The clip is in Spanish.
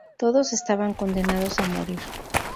Todos estaban condenados a morir.